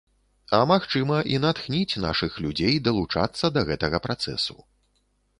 А, магчыма, і натхніць нашых людзей далучацца да гэтага працэсу.